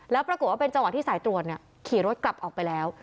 แล้วปรากฏว่าเป็นจังหวะที่สายตรวจขี่รถกลับออกไปแล้ว